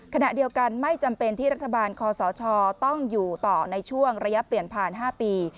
ขณะเดียวกันไม่จำเป็นที่รัฐบาลคอสชต้องอยู่ต่อในช่วงระยะเปลี่ยนผ่าน๕ปี